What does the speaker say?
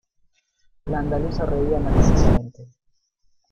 la andaluza reía maliciosamente: